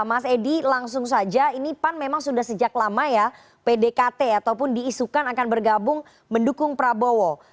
mas edi langsung saja ini pan memang sudah sejak lama ya pdkt ataupun diisukan akan bergabung mendukung prabowo